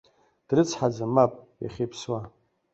Дрыцҳаӡам, мап, иахьа иԥсуа.